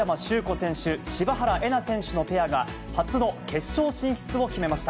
選手・柴原瑛菜選手のペアが、初の決勝進出を決めました。